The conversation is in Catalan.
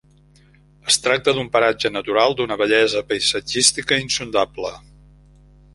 Es tracta d'un paratge natural d'una bellesa paisatgística insondable.